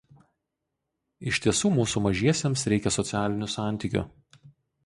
Iš tiesų mūsų mažiesiems reikia socialinių santykių